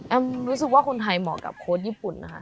รู้สึกว่าคนไทยเหมาะกับโค้ชญี่ปุ่นนะคะ